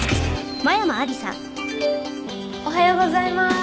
おはようございます。